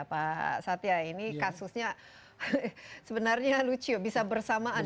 pak satya ini kasusnya sebenarnya lucu bisa bersamaan